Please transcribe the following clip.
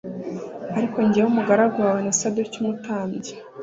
Ariko jyewe umugaragu wawe na Sadoki umutambyi